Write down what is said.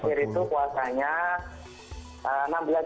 mesir itu puasanya enam belas jam mbak